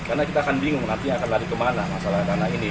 karena kita akan bingung nanti akan lari kemana masalah dana ini